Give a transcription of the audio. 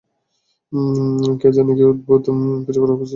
কে জানি কি অদ্ভুত কিছু করার জন্য প্রস্তুত হচ্ছে।